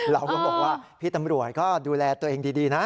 เราก็บอกว่าพี่ตำรวจก็ดูแลตัวเองดีนะ